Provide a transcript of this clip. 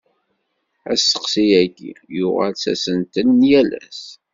Asteqsi-agi, yuɣal d asentel n yal ass.